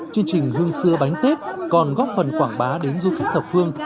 chương trình hương sưa bánh tết còn góp phần quảng bá đến du khách thập phương